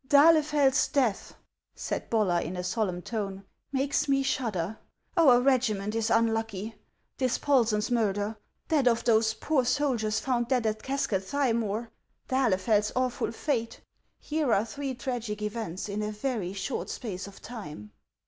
" D'Ahlefeld's death," said Bollar, in a solemn tone, " makes me shudder. Our regiment is unlucky. Dispol sen's murder, that of those poor soldiers found dead at Cascadthymore, d'Ahlefeld's awful fate, — here are three tragic events in a very short space of time."